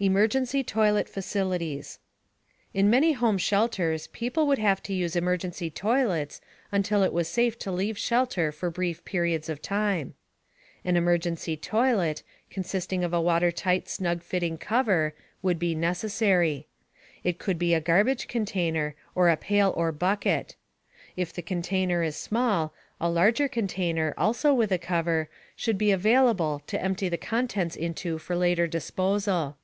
EMERGENCY TOILET FACILITIES In many home shelters, people would have to use emergency toilets until it was safe to leave shelter for brief periods of time. An emergency toilet, consisting of a watertight container with a snug fitting cover, would be necessary. It could be a garbage container, or a pail or bucket. If the container is small, a larger container, also with a cover, should be available to empty the contents into for later disposal.